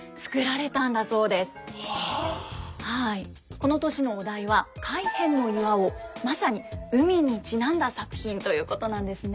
この年のお題は「海辺巖」まさに海にちなんだ作品ということなんですね。